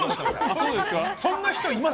そんな人います？